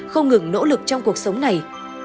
không ngừng nỗ lực trong cuộc sống này